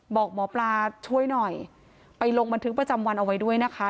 บอกหมอปลาช่วยหน่อยไปลงบันทึกประจำวันเอาไว้ด้วยนะคะ